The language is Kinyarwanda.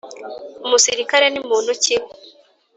Umusirikare ni muntu ki?